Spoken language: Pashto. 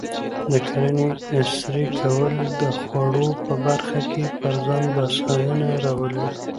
د کرنې عصري کول د خوړو په برخه کې پر ځان بسیاینه راولي.